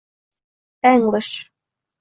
English